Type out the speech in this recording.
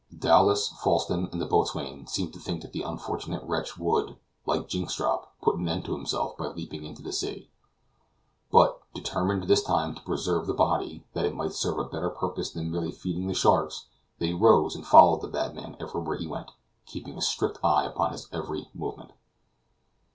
Dowlas, Falsten, and the boatswain, seemed to think that the unfortunate wretch would, like Jynxstrop, put an end to himself by leaping into the sea; but, determined this time to preserve the body, that it might serve a better purpose than merely feeding the sharks, they rose and followed the madman everywhere he went, keeping a strict eye upon his every movement.